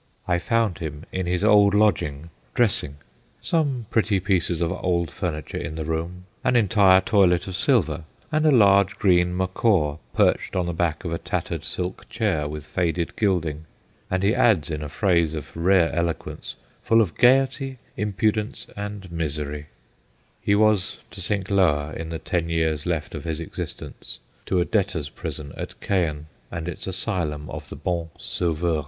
* I found him in his old lodging, dressing : some pretty pieces of old furniture in the room, an entire toilet of silver, and a large green macaw perched on the back of a tattered silk chair with faded gilding/ and he adds in a phrase of rare eloquence, ' full of gaiety, impudence, and misery/ He was to sink lower, in the ten years left of his existence, to a debtor's prison at Caen, and its asylum of the Bon Sauveur.